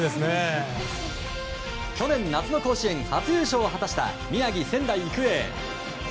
去年夏の甲子園初優勝を果たした宮城・仙台育英。